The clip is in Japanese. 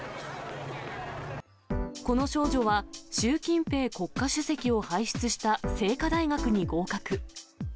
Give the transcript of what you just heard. この少女は習近平国家主席を輩出したせいか大学に合格。